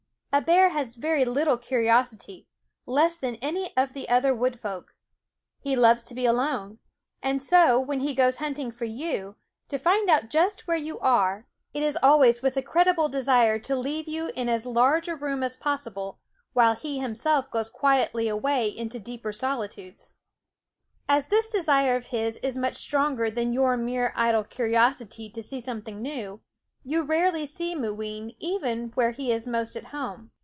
A bear has very little curiosity less than any other of the wood folk. He loves to be alone; and so, when he goes hunting for you, to find out just where you are, it is always with the creditable desire to leave you in as large ^* V^/W^V^it. ^/ A 1 ^ ^5u a room as P oss ible, while he himself goes A J* v *^ quietly away into deeper solitudes. As this desire of his is much stronger than your mere idle curiosity to see something new, you rarely see Mooween even where he is most at home.